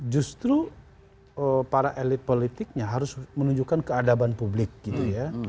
justru para elit politiknya harus menunjukkan keadaban publik gitu ya